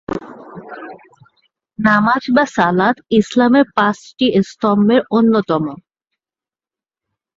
নামায বা সালাত ইসলামের পাঁচটি স্তম্ভের অন্যতম।